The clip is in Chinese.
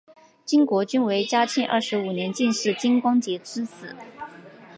金国均为嘉庆二十五年进士金光杰之子。